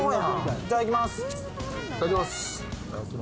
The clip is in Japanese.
いただきます。